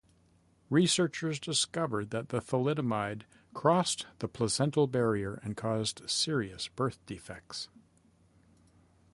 Researchers discovered that the thalidomide crossed the placental barrier and caused serious birth defects.